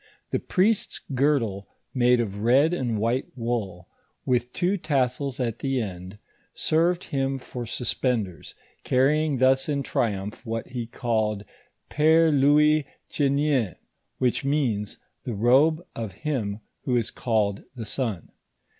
The priest's girdle made of red and white wool, with two tassels at the end, served him for sus penders, carrying thus in triumph what he called Pere Louis Ghinnien, which means " the robe of him who is called the sun."